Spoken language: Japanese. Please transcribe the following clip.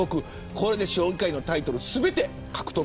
これで将棋界のタイトルを全て獲得。